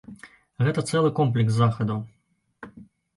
Гэта цэлы комплекс захадаў.